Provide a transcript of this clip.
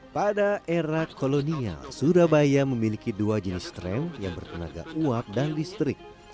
pada era kolonial surabaya memiliki dua jenis tram yang bertenaga uap dan listrik